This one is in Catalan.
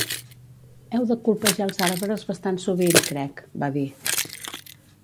"Heu de colpejar els arbres bastant sovint, crec," va dir.